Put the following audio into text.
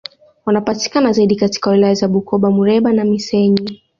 Wanapatikana zaidi katika wilaya za Bukoba Muleba na Missenyi